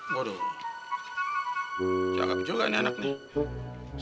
waduh janggap juga ini anaknya